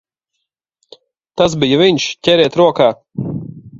Tas bija viņš! Ķeriet rokā!